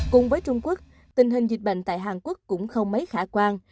cùng với trung quốc tình hình dịch bệnh tại hàn quốc cũng không mấy khả quan